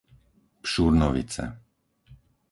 Pšurnovice